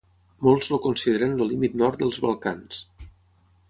Molts el consideren el límit nord dels Balcans.